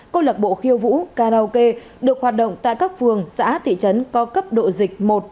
câu lạc bộ khiêu vũ karaoke được hoạt động tại các phường xã thị trấn có cấp độ dịch một